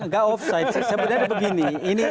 gak offset sebenarnya begini